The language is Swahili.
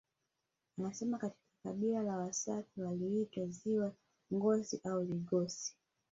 Anasema katika kabila la wasafa waliliita ziwa Ngosi au Ligosi